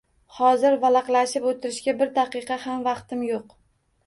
Hozir valaqlashib o'tirishga bir daqiqa ham vaqtim yo'q!